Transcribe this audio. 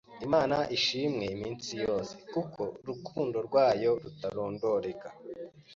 Imana ishimwe iminsi yose, kuko urukundo rwayo rutarondoreka!